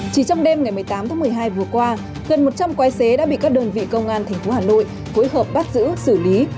chỉ trong đêm ngày một mươi tám tháng một mươi hai vừa qua gần một trăm linh quái xế đã bị các đơn vị công an tp hà nội phối hợp bắt giữ xử lý